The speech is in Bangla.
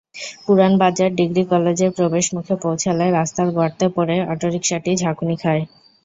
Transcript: পুরান বাজার ডিগ্রি কলেজের প্রবেশমুখে পৌঁছালে রাস্তার গর্তে পড়ে অটোরিকশাটি ঝাঁকুনি খায়।